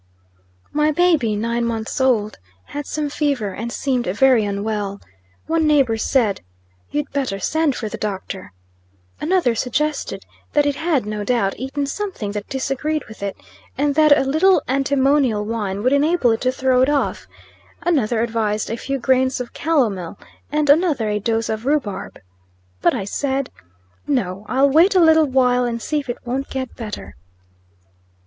MY baby, nine months old, had some fever, and seemed very unwell. One neighbor said: "You'd better send for the doctor." Another suggested that it had, no doubt, eaten something that disagreed with it, and that a little antimonial wine would enable it to throw it off; another advised a few grains of calomel, and another a dose of rheubarb. But I said: "No. I'll wait a little while, and see if it won't get better."